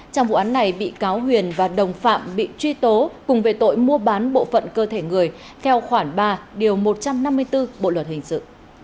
trong vụ án này bị cáo huyền và đồng phạm bị truy tố cùng về tội mua bán bộ phận cơ thể người theo khoảng ba điều một trăm năm mươi bốn bộ luật hình sự